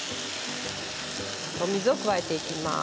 お水を加えていきます。